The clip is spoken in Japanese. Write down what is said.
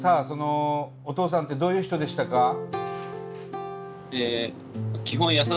そのお父さんってどういう人でしたか？